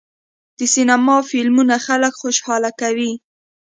د سینما فلمونه خلک خوشحاله کوي.